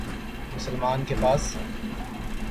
مسلمان کے پاس